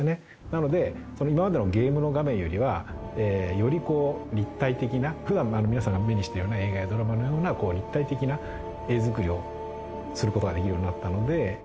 なので今までのゲームの画面よりはより立体的な、普段皆さんが目にしているような映画やドラマのような立体的な絵作りをする事ができるようになったので。